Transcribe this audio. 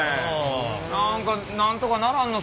何かなんとかならんの？